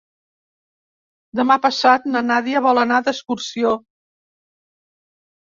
Demà passat na Nàdia vol anar d'excursió.